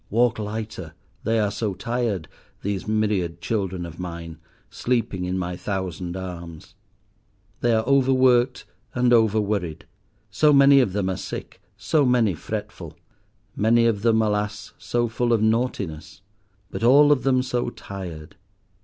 Walk lighter; they are so tired, these myriad children of mine, sleeping in my thousand arms. They are over worked and over worried; so many of them are sick, so many fretful, many of them, alas, so full of naughtiness. But all of them so tired.